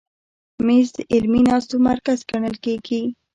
مېز د علمي ناستو مرکز ګڼل کېږي.